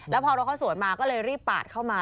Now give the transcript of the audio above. แล้วพอรถเขาสวนมาก็เลยรีบปาดเข้ามา